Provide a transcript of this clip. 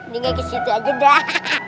tinggal kesitu aja dah